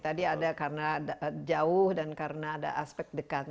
tadi ada karena jauh dan karena ada aspek dekat